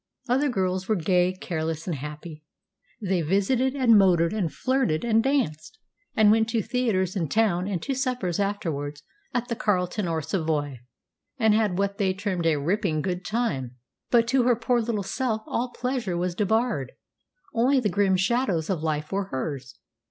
Other girls were gay, careless, and happy. They visited and motored and flirted and danced, and went to theatres in town and to suppers afterwards at the Carlton or Savoy, and had what they termed "a ripping good time." But to her poor little self all pleasure was debarred. Only the grim shadows of life were hers.